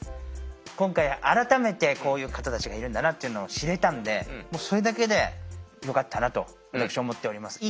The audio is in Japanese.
今回改めてこういう方たちがいるんだなっていうのを知れたのでもうそれだけでよかったなと私は思っております。